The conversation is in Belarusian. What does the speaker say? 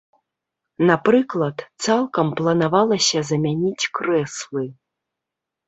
Напрыклад, цалкам планавалася замяніць крэслы.